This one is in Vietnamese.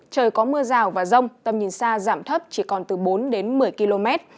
trời có mưa rào và rông tầm nhìn xa giảm thấp chỉ còn từ bốn đến một mươi km